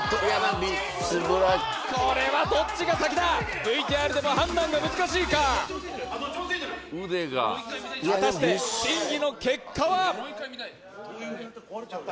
これはどっちが先だＶＴＲでも判断が難しいか・どっちもついてる果たして審議の結果は？